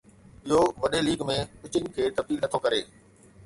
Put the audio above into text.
اهو وڏي league ۾ pitching کي تبديل نٿو ڪري